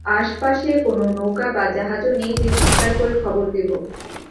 আশপাশে কোনো নৌকা বা জাহাজও নেই যে চিৎকার করে খবর দেব।